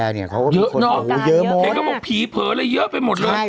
เฮงครับผมผีเผลอแล้วยเยอะไปหมดแล้ว